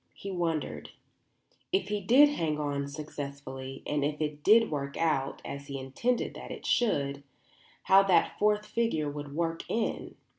He wondered, if he did hang on successfully and if it did work out as he intended that it should, how that fourth figure would work in.